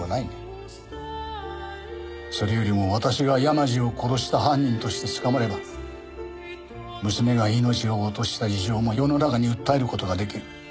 それよりも私が山路を殺した犯人として捕まれば娘が命を落とした事情も世の中に訴える事が出来る。